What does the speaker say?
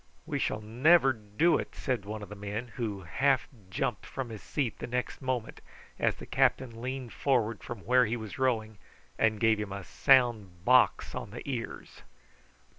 "We shall never do it," said one of the men, who half jumped from his seat the next moment as the captain leaned forward from where he was rowing and gave him a sound box on the ears.